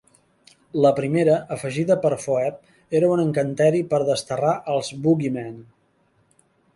La primera, afegida per Phoebe, era un encanteri per desterrar els Woogyman.